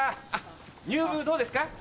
入部どうですか？